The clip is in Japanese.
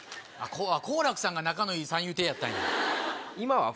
好楽さんが仲のいい三遊亭やったんや。